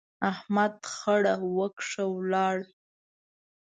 احمد خړه وکښه، ولاړ.